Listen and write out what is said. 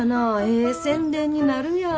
ええ宣伝になるやん。